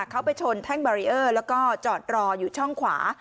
เขาไปชนแล้วก็จอดรออยู่ช่องขวา